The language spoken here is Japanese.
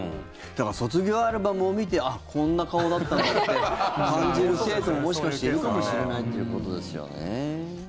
だから卒業アルバムを見てあっ、こんな顔だったんだって感じる生徒ももしかしたらいるかもしれないということですよね。